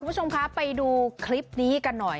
คุณผู้ชมคะไปดูคลิปนี้กันหน่อย